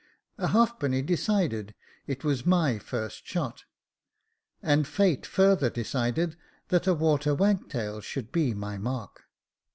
A halfpenny decided it was my first shot, and fate further decided that a water wagtail should be the mark.